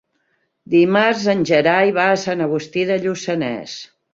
Dimarts en Gerai va a Sant Agustí de Lluçanès.